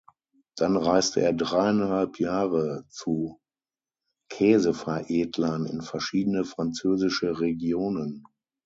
Dann reiste er dreieinhalb Jahre zu Käseveredlern in verschiedene französische Regionen.